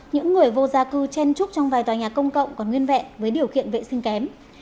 những người vô gia cư chen trúc trong vài tòa nhà công cộng còn nguyên vẹn với điều kiện vệ sinh kém